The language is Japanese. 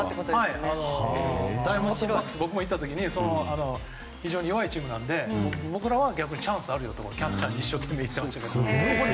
ダイヤモンドバックス僕が行った時非常に弱いチームだったので僕らはチャンスあるよとキャッチャーに言ってましたけど。